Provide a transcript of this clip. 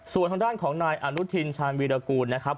ส่วนทางด้านของนายอนุทินชาญวีรกูลนะครับ